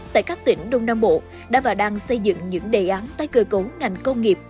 tại các tỉnh đông nam bộ đã và đang xây dựng những đề án tái cơ cấu ngành công nghiệp